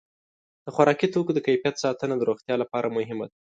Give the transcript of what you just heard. د خوراکي توکو د کیفیت ساتنه د روغتیا لپاره مهمه ده.